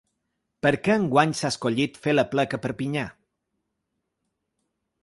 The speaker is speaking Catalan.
Per què enguany s’ha escollit fer l’aplec a Perpinyà?